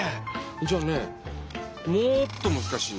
じゃあねもっとむずかしいの。